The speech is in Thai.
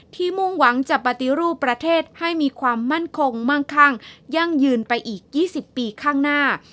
มุ่งหวังจะปฏิรูปประเทศให้มีความมั่นคงมั่งคั่งยั่งยืนไปอีก๒๐ปีข้างหน้า